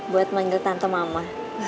buat manggil tante mama